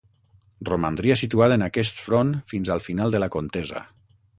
Romandria situada en aquest front fins al final de la contesa.